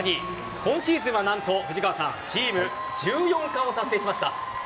今シーズンは何とチーム１４冠を達成しました。